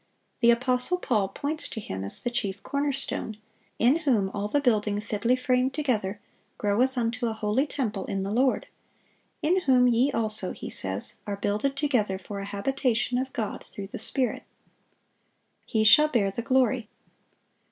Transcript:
The apostle Paul points to Him as "the chief corner stone; in whom all the building fitly framed together groweth unto a holy temple in the Lord: in whom ye also," he says, "are builded together for a habitation of God through the Spirit."(678) "He shall bear the glory."